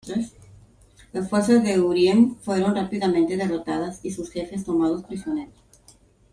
Las fuerzas de Urien fueron rápidamente derrotadas, y sus jefes tomados prisioneros.